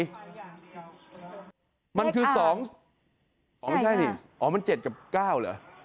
เลขอ่างมันคือสองอ๋อไม่ใช่นี่อ๋อมัน๗กับ๙เหรอ